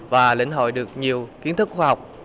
và lĩnh hội được nhiều kiến thức khoa học